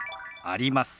「あります」。